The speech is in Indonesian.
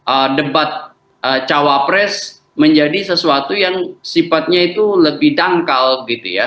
karena debat cawapres menjadi sesuatu yang sifatnya itu lebih dangkal gitu ya